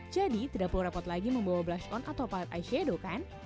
jadi tidak perlu rapot lagi membawa blush on atau palette eyeshadow kan